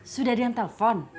sudah ada yang telpon